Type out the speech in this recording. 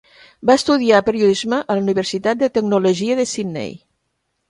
Va estudiar periodisme a la Universitat de Tecnologia de Sydney.